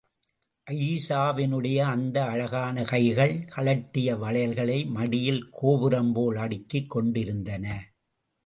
அயீஷாவினுடைய அந்த அழகான கைகள், கழட்டிய வளையல்களை, மடியில் கோபுரம் போல் அடுக்கிக் கொண்டிருந்தன.